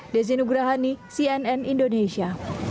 desi nugrahani cnn indonesia